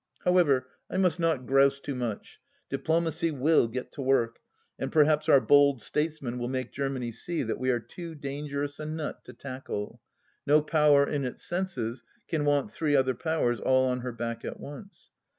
However, I must not grouse too much. Diplomacy will get to work, and perhaps our bold statesmen will make Germany see that we are too dangerous a nut to tackle. No power in its senses can want three other powers all on her back at once.